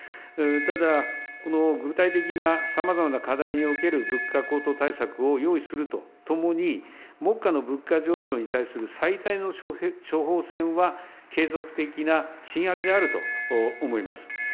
ただ、この具体的なさまざまな課題における物価高騰対策を用意するとともに、目下の物価上昇に対する最大の処方箋は、継続的な賃上げであると思います。